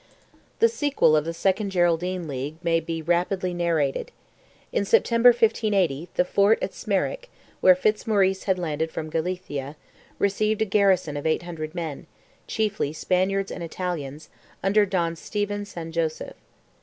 The sequel of the second Geraldine League may be rapidly narrated. In September, 1580, the fort at Smerwick, where Fitzmaurice had landed from Galicia, received a garrison of 800 men, chiefly Spaniards and Italians, under Don Stephen San Joseph.